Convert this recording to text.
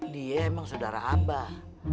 dia emang saudara abah